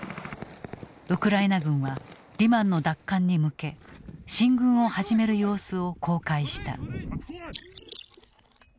ウクライナ軍はリマンの奪還に向け進軍を始める様子を公開した。